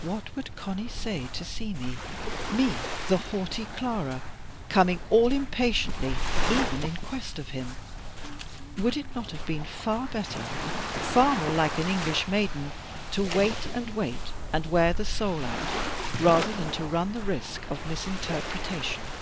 What would Conny say to see me, me the haughty Clara, coming all impatiently even in quest of him? Would it not have been far better, far more like an English maiden, to wait, and wait, and wear the soul out, rather than to run the risk of mis interpretation?